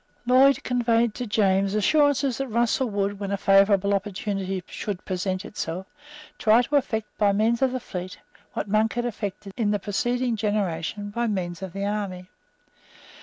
Lloyd conveyed to James assurances that Russell would, when a favourable opportunity should present itself, try to effect by means of the fleet what Monk had effected in the preceding generation by means of the army.